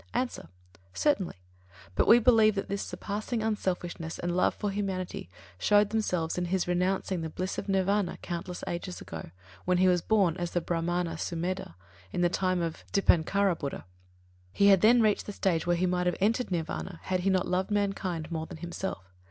_ A. Certainly. But we believe that this surpassing unselfishness and love for humanity showed themselves in his renouncing the bliss of Nirvāna countless ages ago, when he was born as the Brāhmana Sumedha, in the time of Dīpānkara Buddha: he had then reached the stage where he might have entered Nirvāna, had he not loved mankind more than himself.